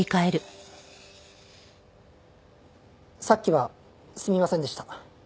さっきはすみませんでした。